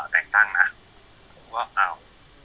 แล้วช่างคนนั้นเนี่ยหมอค่าเครื่องมือ